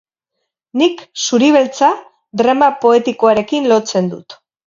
Nik zuri beltza drama poetikoarekin lotzen dut.